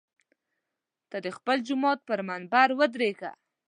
ته د خپل جومات پر منبر ودرېږه.